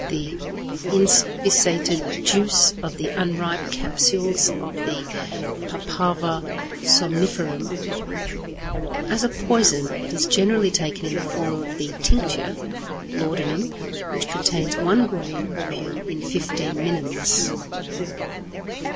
= The inspissated juice of the unripe capsules of the Papaver somniferum. As a poison it is generally taken in the form of the tincture (laudanum), which contains 1 grain opium in 15 minims.